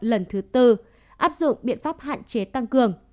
lần thứ tư áp dụng biện pháp hạn chế tăng cường